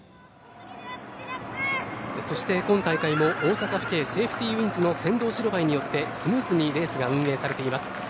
そして今大会も大阪府警セーフティウインズの先導白バイによってスムーズにレースが運営されています。